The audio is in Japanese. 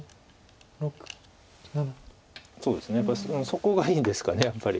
そこがいいんですかやっぱり。